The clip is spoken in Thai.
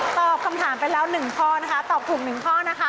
ตอบคำถามไปแล้ว๑ข้อนะคะตอบถูก๑ข้อนะคะ